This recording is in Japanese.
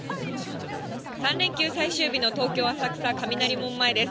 ３連休最終日の東京・浅草、雷門前です。